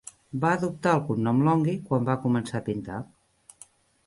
Va adoptar el cognom Longhi quan va començar a pintar.